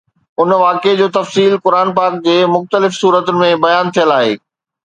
ان واقعي جو تفصيل قرآن پاڪ جي مختلف سورتن ۾ بيان ٿيل آهي